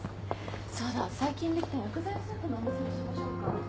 そうだ最近できた薬膳スープのお店にしましょうか。